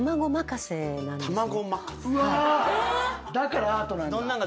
だからアートなんだ。